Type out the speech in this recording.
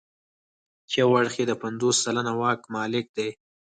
چې یو اړخ یې د پنځوس سلنه واک مالک دی.